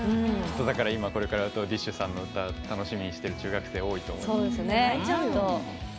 だから、これからＤＩＳＨ／／さんの歌楽しみにしている中学生、多いと思います。